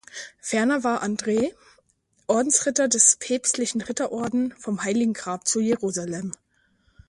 Ferner war Andreae Ordensritter des Päpstlichen Ritterorden vom Heiligen Grab zu Jerusalem.